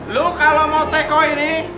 lu kalau mau teko ini